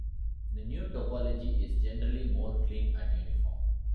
The new topology is generally more clean and uniform.